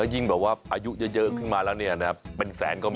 ยิ่งแบบว่าอายุเยอะขึ้นมาแล้วเนี่ยนะเป็นแสนก็ไม่